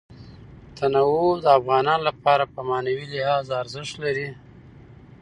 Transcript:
تنوع د افغانانو لپاره په معنوي لحاظ ارزښت لري.